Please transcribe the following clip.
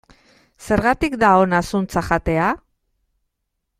Zergatik da ona zuntza jatea?